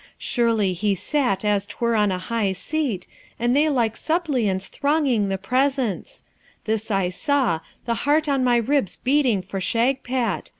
Surely, he sat as 'twere on a high seat, and they like suppliants thronging the presence: this I saw, the heart on my ribs beating for Shagpat.